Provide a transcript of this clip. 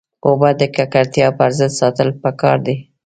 اوبه د ککړتیا پر ضد ساتل پکار دي.